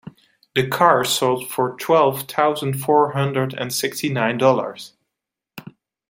The car sold for twelve thousand four hundred and sixty nine dollars.